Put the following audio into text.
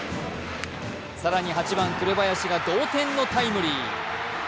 更に８番・紅林が同点のタイムリー。